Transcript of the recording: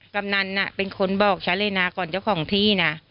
กำนันเป็นคนบอกชาลีนาก่อนเจ้าของที่นะ